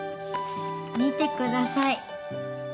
見てください。